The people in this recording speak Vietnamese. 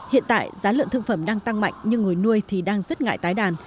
hiện tại giá lợn thương phẩm đang tăng mạnh nhưng người nuôi thì đang rất ngại tái đàn